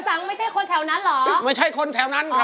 ไม่ใช่คนแถวนั้นเหรอไม่ใช่คนแถวนั้นครับ